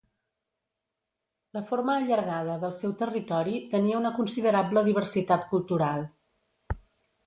La forma allargada del seu territori tenia una considerable diversitat cultural.